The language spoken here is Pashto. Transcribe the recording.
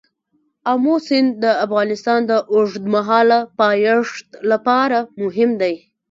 آمو سیند د افغانستان د اوږدمهاله پایښت لپاره مهم دی.